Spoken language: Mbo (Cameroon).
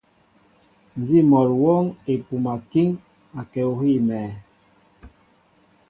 Nzi mol awɔŋ epum akiŋ, akɛ ohii amɛɛ.